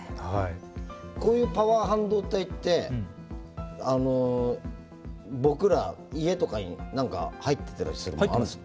こういうパワー半導体って僕ら家とかに何か入ってたりするものあるんですか。